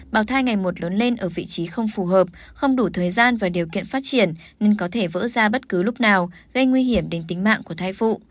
bào thai ngày một lớn lên ở vị trí không phù hợp không đủ thời gian và điều kiện phát triển nên có thể vỡ ra bất cứ lúc nào gây nguy hiểm đến tính mạng của thai phụ